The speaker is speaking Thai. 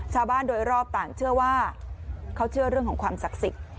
ชาวบ้านโดยรอบต่างเชื่อว่าเขาเชื่อเรื่องของความศักดิ์สิทธิ์